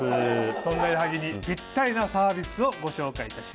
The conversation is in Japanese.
そんな矢作にぴったりなサービスをご紹介いたします！